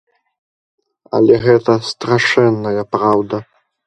Але гэта страшэнная праўда.